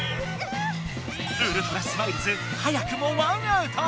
ウルトラスマイルズ早くも１アウト。